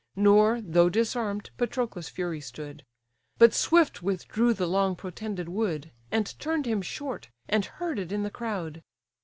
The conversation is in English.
Nor, though disarm'd, Patroclus' fury stood: But swift withdrew the long protended wood. And turn'd him short, and herded in the crowd.